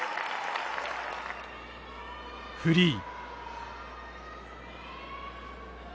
フリー。